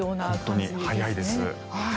本当に早いです。